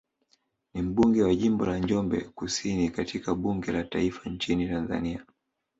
Ni mbunge wa jimbo la Njombe Kusini katika bunge la taifa nchini Tanzania